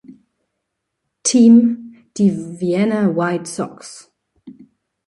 Team, die "Vienna White Sox".